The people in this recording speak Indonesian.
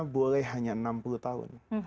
boleh hanya enam puluh tahun